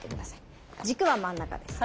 軸は真ん中です。